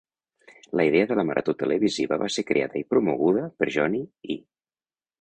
La idea de la marató televisiva va ser creada i promoguda per John Y.